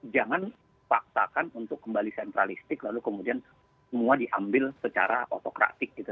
jangan faktakan untuk kembali sentralistik lalu kemudian semua diambil secara otokratik gitu